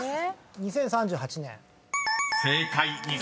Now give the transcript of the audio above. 「２０３８年」です］